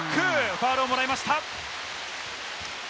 ファウルをもらいました。